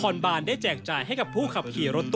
ตำรวชนครบารได้แจกจ่ายให้กับผู้ขับขี่รถตู้